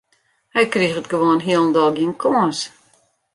Hy kriget gewoan hielendal gjin kâns.